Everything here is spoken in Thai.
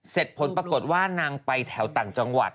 ผลปรากฏว่านางไปแถวต่างจังหวัด